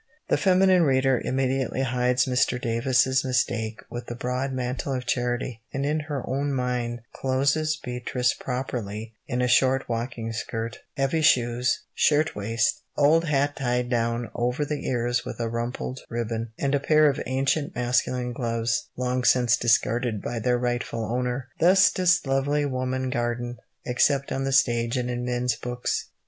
The feminine reader immediately hides Mr. Davis' mistake with the broad mantle of charity, and in her own mind clothes Beatrice properly in a short walking skirt, heavy shoes, shirt waist, old hat tied down over the ears with a rumpled ribbon, and a pair of ancient masculine gloves, long since discarded by their rightful owner. Thus does lovely woman garden, except on the stage and in men's books.